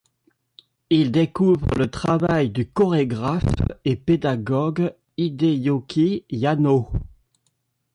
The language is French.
Il découvre le travail du chorégraphe et pédagogue Hideyuki Yano.